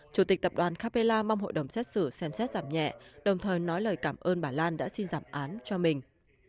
chủ tịch tập đoàn capella mong hội đồng xét xử xem xét giảm nhẹ đồng thời nói lời cảm ơn bà lan đã xin giảm án cho mình